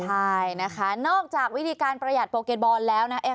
ใช่นะคะนอกจากวิธีการประหยัดโปเก็ตบอลแล้วนะ